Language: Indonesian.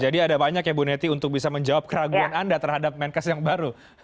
jadi ada banyak ya bu neti untuk bisa menjawab keraguan anda terhadap menkes yang baru